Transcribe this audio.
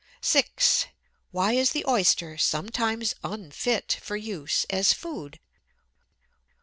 6. Why is the Oyster sometimes unfit for use as food?